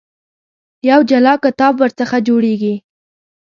یو جلا کتاب ورڅخه جوړېږي.